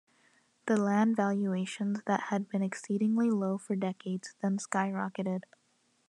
The land valuations that had been exceedingly low for decades, then skyrocketed.